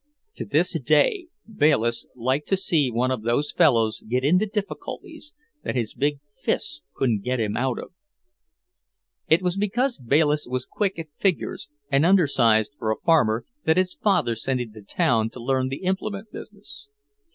To this day, Bayliss liked to see one of those fellows get into difficulties that his big fists couldn't get him out of. It was because Bayliss was quick at figures and undersized for a farmer that his father sent him to town to learn the implement business.